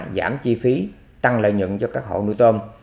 giảm chi phí tăng lợi nhuận cho các hộ nuôi tôm